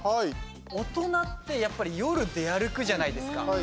大人って、やっぱり夜、出歩くじゃないですか。